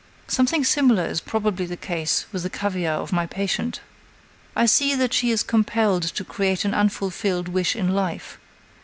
Something similar is probably the case with the caviare of my patient. I see that she is compelled to create an unfulfilled wish in life.